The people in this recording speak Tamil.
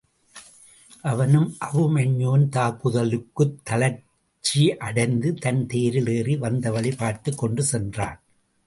அவனும் அபிமன்யுவின் தாக்குதலுக்குத் தளர்ச்சி அடைந்து தன் தேரில் ஏறி வந்தவழி பார்த்துக் கொண்டு சென்றான்.